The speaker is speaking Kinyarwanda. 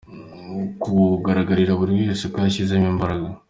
kugaragarira buri wese ko yashyizemo imbaraga .